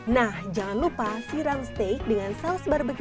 nah jangan lupa siram steak dengan saus barbecue